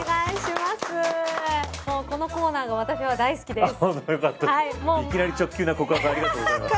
このコーナーが私、大好きです。